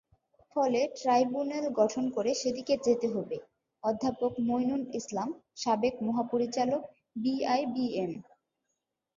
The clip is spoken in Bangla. ফলে ট্রাইব্যুনাল গঠন করে সেদিকে যেতে হবেঅধ্যাপক মইনুল ইসলামসাবেক মহাপরিচালক, বিআইবিএম।